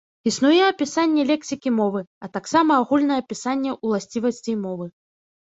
Існуе апісанне лексікі мовы, а таксама агульнае апісанне ўласцівасцей мовы.